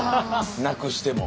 なくしても。